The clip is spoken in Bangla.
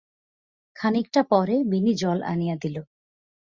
খানিকটা পরে বিনি জল আনিয়া দিল।